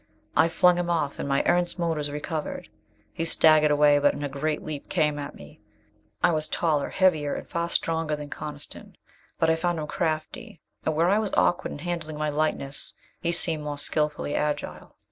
I flung him off, and my Erentz motors recovered. He staggered away, but in a great leap came at me again. I was taller, heavier and far stronger than Coniston. But I found him crafty, and where I was awkward in handling my lightness, he seemed more skillfully agile.